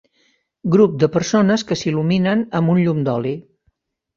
Grup de persones que s'il·luminen amb un llum d'oli.